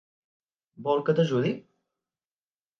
Vol que t'ajudi?